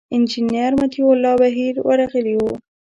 انجینر مطیع الله بهیر ورغلي و.